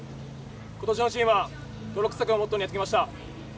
今年のチームは「泥臭く」をモットーにやってきました。